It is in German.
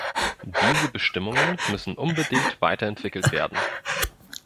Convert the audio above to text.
Diese Bestimmungen müssen unbedingt weiterentwickelt werden.